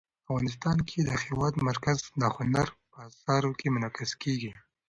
افغانستان کې د هېواد مرکز د هنر په اثار کې منعکس کېږي.